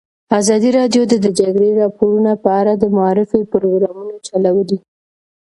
ازادي راډیو د د جګړې راپورونه په اړه د معارفې پروګرامونه چلولي.